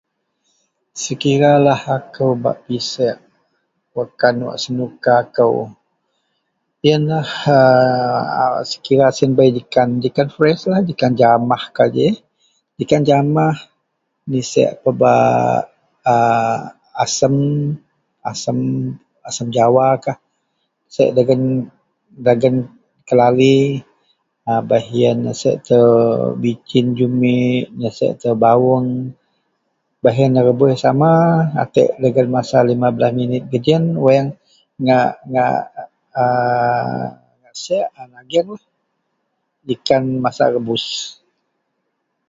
Sekiralah aku bak pisek wak kan wak senuka kou sekira bei jekan fresh jekan jamah nisak pebak asam jawakah nisek dagen kuali nisek telo bicen jumek baih yian bawang baih yian ne rebus sama lubeng masa dagen 15 minit geji yian ngak sek jekan masak rebus.